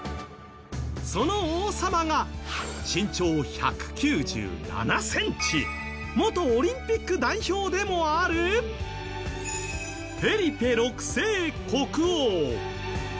その王様が身長１９７ｃｍ元オリンピック代表でもあるフェリペ６世国王。